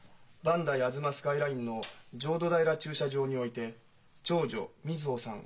磐梯吾妻スカイラインの浄土平駐車場において長女瑞穂さん